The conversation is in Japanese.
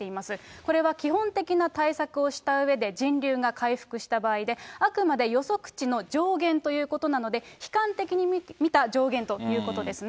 これは基本的な対策をしたうえで、人流が回復した場合で、あくまで予測値の上限ということなので、悲観的に見た上限ということですね。